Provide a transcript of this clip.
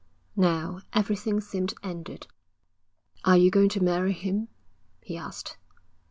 Now everything seemed ended. 'Are you going to marry him?' he asked.